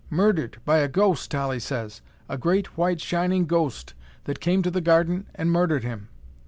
Murdered! By a ghost, Tollie says. A great, white, shining ghost that came to the garden and murdered him!"